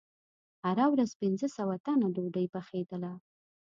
هره ورځ پنځه سوه تنه ډوډۍ پخېدله.